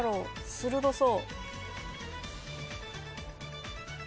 鋭そう。